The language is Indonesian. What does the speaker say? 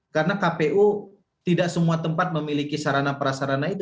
karena kpu tidak semua tempat memiliki sarana prasarana itu